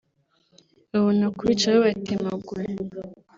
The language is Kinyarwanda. babona kubica babatmaguye